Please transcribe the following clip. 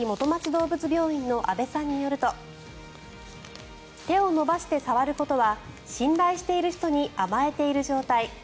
どうぶつ病院の阿部さんによると手を伸ばして触ることは信頼している人に甘えている状態。